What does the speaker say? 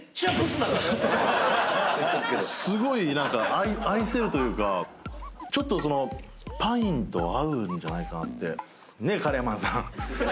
すごい愛せるというかちょっとそのパインと合うんじゃないかなって。